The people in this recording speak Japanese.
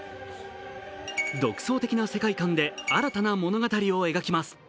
独創的な世界観で新たな物語を描きます。